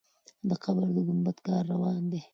د قبر د ګمبد کار روان دی.